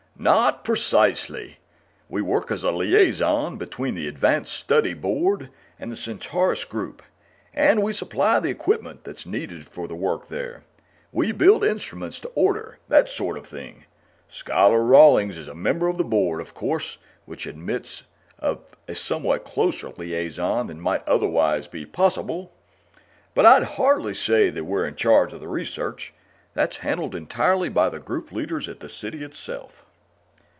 "Not precisely. We work as a liaison between the Advanced Study Board and the Centaurus group, and we supply the equipment that's needed for the work there. We build instruments to order that sort of thing. Scholar Rawlings is a member of the Board, of course, which admits of a somewhat closer liaison than might otherwise be possible. "But I'd hardly say we were in charge of the research. That's handled entirely by the Group leaders at the City itself."